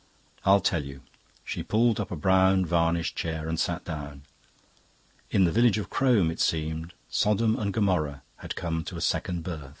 "I'll tell you." She pulled up a brown varnished chair and sat down. In the village of Crome, it seemed, Sodom and Gomorrah had come to a second birth.